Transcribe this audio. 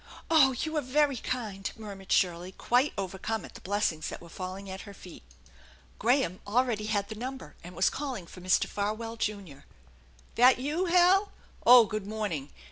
" Oh, you are very kind !" murmured Shirley, quite over come at the blessings that were falling at her feet. Graham already had the number, and was calling for Mr. Farwell, Junior. " That you, Hal ? Oh, good morning